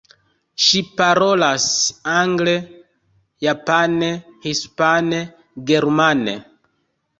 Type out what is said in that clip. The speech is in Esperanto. Ŝi parolas angle, japane, hispane, germane.